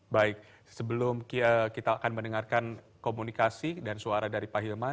baik sebelum kita akan mendengarkan komunikasi dan suara dari pak hilman